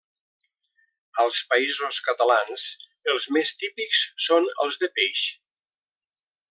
Als Països Catalans els més típics són els de peix.